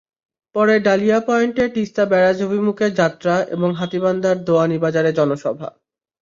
পরে ডালিয়া পয়েন্টে তিস্তা ব্যারাজ অভিমুখে যাত্রা এবং হাতিবান্ধার দোয়ানী বাজারে জনসভা।